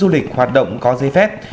và bến du lịch hoạt động có giấy phép